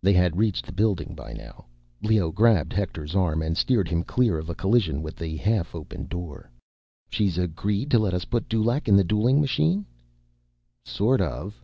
They had reached the building by now. Leoh grabbed Hector's arm and steered him clear of a collision with the half open door. "She's agreed to let us put Dulaq in the dueling machine?" "Sort of."